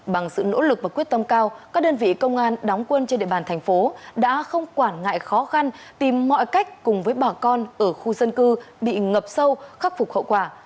bằng sự nỗ lực và quyết tâm cao các đơn vị công an đóng quân trên địa bàn thành phố đã không quản ngại khó khăn tìm mọi cách cùng với bà con ở khu dân cư bị ngập sâu khắc phục hậu quả